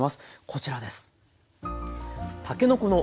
こちらです。